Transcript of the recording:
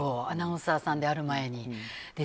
アナウンサーさんである前に。